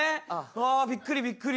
あびっくりびっくり。